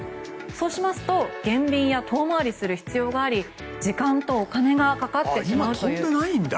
そうしますと減便や遠回りする必要があり時間とお金がかかってしまうという。